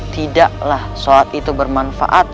tidaklah sholat itu bermanfaat